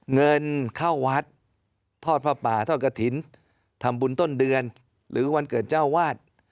เงินเข้าวัดทอดผ้าป่าทอดกระถิ่นทำบุญต้นเดือนหรือวันเกิดเจ้าวาด